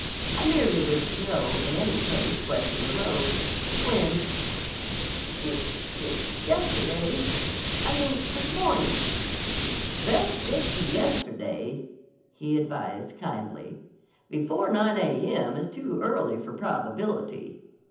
I merely wished to know, in case any question arose. When?" "Ye—ye—yesterday. I mean, this morning." "Best stick to yesterday," he advised kindly. "Before 9 a.m. is too early for probability."